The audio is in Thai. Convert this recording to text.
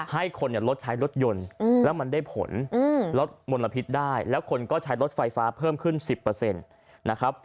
ให้คนลดใช้รถยนต์แล้วมันได้ผลลดมลพิษได้แล้วคนก็ใช้รถไฟฟ้าเพิ่มขึ้น๑๐นะครับ